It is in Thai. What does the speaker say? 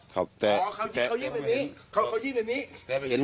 อ๋อเขายืดแบบนี้